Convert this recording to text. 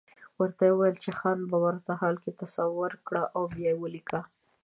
ورته وويل چې ځان په ورته حال کې تصور کړه او بيا وليکه.